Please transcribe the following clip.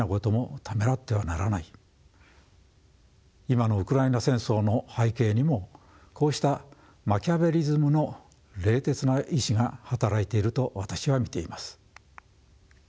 今のウクライナ戦争の背景にもこうしたマキャベリズムの冷徹な意思が働いていると私は見ています。